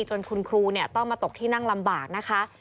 จนคุณครูต้องมาตกที่นั่งลำบากนะคะ